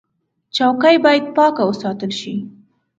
چوکۍ باید پاکه وساتل شي.